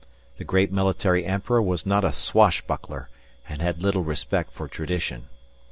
The great military emperor was not a swashbuckler, and had little respect for tradition.